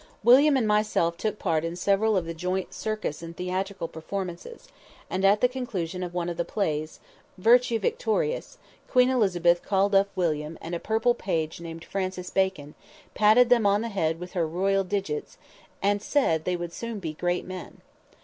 William and myself took part in several of the joint circus and theatrical performances, and at the conclusion of one of the plays "Virtue Victorious," Queen Elizabeth called up William and a purple page named Francis Bacon, patted them on the head with her royal digits, and said they would soon be great men!